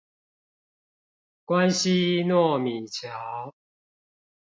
關西糯米橋